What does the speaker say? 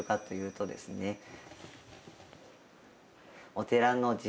お寺のえ！